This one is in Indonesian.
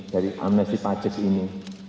dari amnesty pajek ini